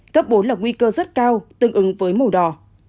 cấp bốn là nguy cơ rất cao tương ứng với màu đỏ